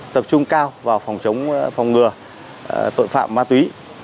tập trung cao vào phòng chống phòng ngừa tội phạm ma túy